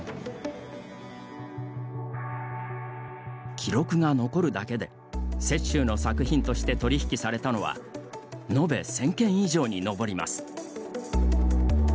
記録が残るだけで雪舟の作品として取り引きされたのは延べ１０００件以上に上ります。